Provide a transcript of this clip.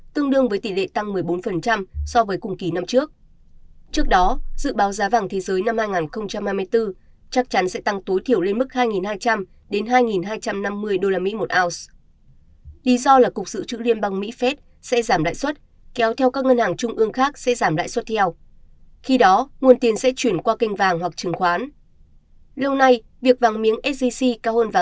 từ bốn đến năm năm triệu đồng một lượng tùy doanh nghiệp